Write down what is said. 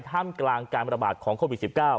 ท่ามกลางการประบาดของโควิด๑๙